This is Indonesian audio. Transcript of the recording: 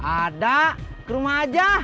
ada ke rumah aja